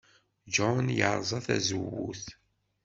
John yerẓa tazewwut.